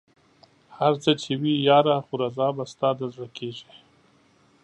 هر څه چې وي ياره خو رضا به ستا د زړه کېږي